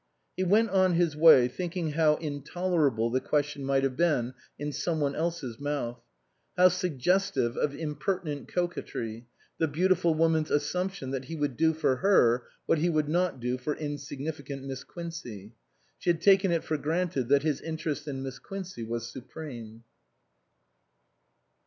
He went on his way thinking how intolerable the question might have been in some one else's mouth ; how suggestive of impertinent coquetry, the beautiful woman's assumption that he would do for her what he would not do for insignificant Miss Quincey. She had taken it for granted that his interest in Miss Quincey was supreme.